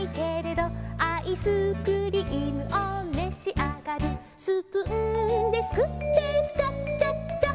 「アイスクリームをめしあがる」「スプーンですくってピチャチャッチャッ」